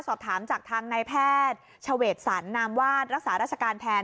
สอบถามจากทางนายแพทย์เฉวดสรรนามวาดรักษาราชการแทน